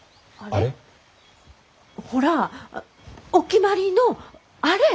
ほらお決まりの「あれ」！